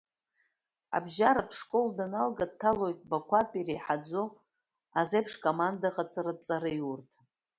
Абжьаратә школ даналга, дҭалоит Бақәатәи иреиҳаӡоу азеиԥшкомандаҟаҵаратә ҵараиурҭа.